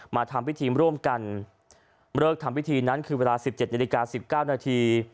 มาทำพิธีร่วมกันเลิกทำพิธีนั้นคือเวลาสิบเจ็ดนาฬิกาสิบเก้านาที